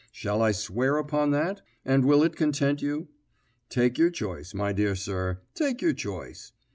Shall I swear upon that, and will it content you? Take your choice, my dear sir, take your choice.